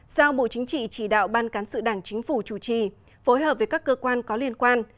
sau bộ chính trị chỉ đạo ban cán sự đảng chính phủ chủ trì phối hợp với các cơ quan có liên quan